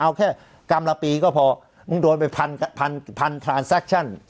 เอาแค่กรรมละปีก็พอมึงโดนไปพันกรรม